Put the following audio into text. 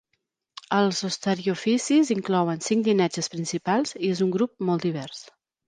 Els ostariofisis inclouen cinc llinatges principals i és un grup molt divers.